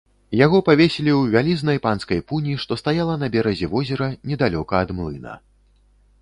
Яго павесілі ў вялізнай панскай пуні, што стаяла на беразе возера, недалёка ад млына.